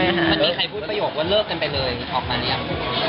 มันมีใครพูดประโยคว่าเลิกกันไปเลยออกมาหรือยัง